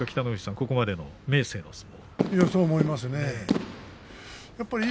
ここまでの明生の相撲。